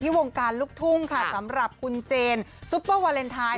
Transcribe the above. วงการลูกทุ่งค่ะสำหรับคุณเจนซุปเปอร์วาเลนไทย